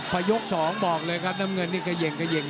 พยกสองบอกเลยครับน้ำเงินนี่เกย่ง